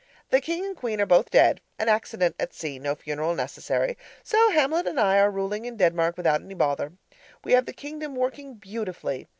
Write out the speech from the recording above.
The King and Queen are both dead an accident at sea; no funeral necessary so Hamlet and I are ruling in Denmark without any bother. We have the kingdom working beautifully.